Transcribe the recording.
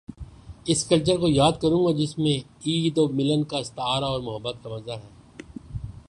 اس culture کو یاد کروں گا جس میں عید، ملن کا استعارہ اور محبت کا مظہر ہے۔